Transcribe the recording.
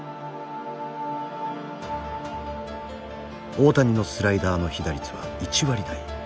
大谷のスライダーの被打率は１割台。